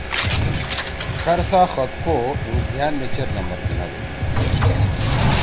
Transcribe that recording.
کھرسا خط کو امتحان می چیر نمبر گھیِندُو۔